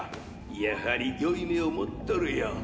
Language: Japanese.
やはり良い目を持っとるよ。